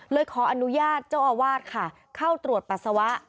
ขออนุญาตเจ้าอาวาสค่ะเข้าตรวจปัสสาวะ